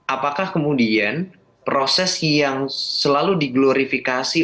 apakah kemudian proses yang selalu diglorifikasi